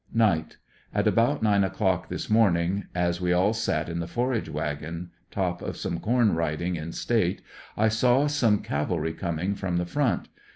Night. — At about nine o'clock this morning as we sat in the forage wagon top of some corn riding in state, I saw some cavalry coming from the front.